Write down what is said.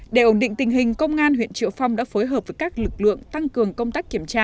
để ổn định tình hình công an huyện triệu phong đã phối hợp với các lực lượng tăng cường công tác kiểm tra